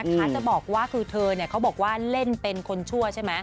จะบอกว่าคือเธอเขาบอกว่าเล่นเป็นคนชั่วใช่ไหม